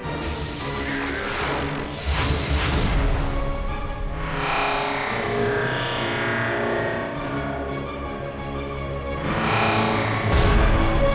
aku akan mencari siapa saja yang bisa membantu kamu